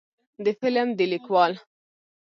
د فلم د لیکوال